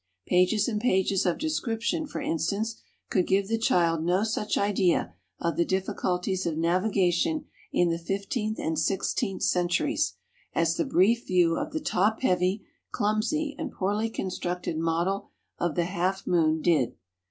Pages and pages of description, for instance, could give the child no such idea of the difficulties of navigation in the fifteenth and sixteenth centuries as the brief view of the top heavy, clumsy and poorly constructed model of the Half Moon did.